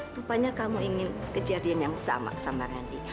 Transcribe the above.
tupanya kamu ingin kejadian yang sama sama randi